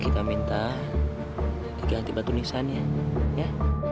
kita minta diganti batu nisannya ya